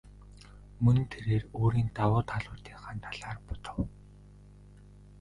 Мөн тэрээр өөрийн давуу талуудынхаа талаар бодов.